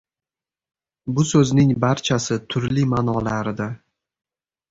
Bu soʻzning barchasi turli maʼnolarida.